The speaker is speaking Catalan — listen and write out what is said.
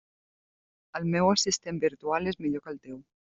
El meu assistent virtual és millor que el teu.